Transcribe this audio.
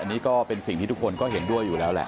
อันนี้ก็เป็นสิ่งที่ทุกคนก็เห็นด้วยอยู่แล้วแหละ